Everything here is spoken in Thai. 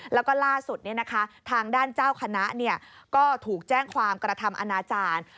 แล้วก็ล่าสุดทางด้านเจ้าคณะก็ถูกแจ้งความกระทำอนาจารย์